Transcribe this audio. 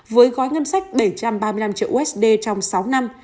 với gói ngân sách bảy trăm ba mươi năm triệu usd trong sáu năm